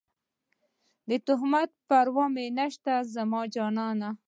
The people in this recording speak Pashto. د تهمت پروا مې نشته زما جانانه